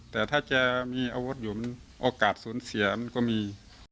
แต่ถ้าแกมีอาวุธอยู่มันโอกาสสูญเสียมันก็มี